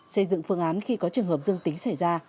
xây dựng phương án khi có trường hợp dương tính xảy ra